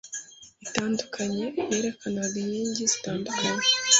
itandukanye yerekanaga inkingi zitandukanye